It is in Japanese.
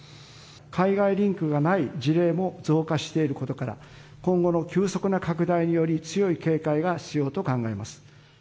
海外リンクがない事例も増加していることから、今後の急速な拡大により強い警戒が必要と考えます。